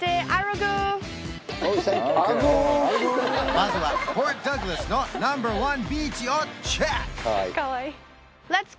まずはポートダグラスのナンバーワンビーチをチェック！